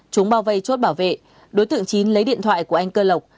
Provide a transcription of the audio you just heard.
chúng bao vây chốt bảo vệ đối tượng chín lấy điện thoại của anh cơ lộc